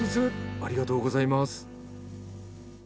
ありがとうございます。